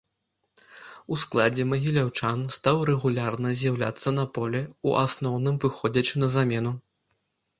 У складзе магіляўчан стаў рэгулярна з'яўляцца на полі, у асноўным выходзячы на замену.